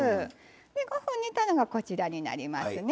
５分煮たのがこちらになりますね。